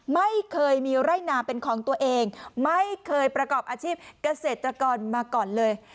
ไม่เคยมีไร่นาเป็นของตัวเองไม่เคยประกอบอาชีพเกษตรกรมาก่อนเลย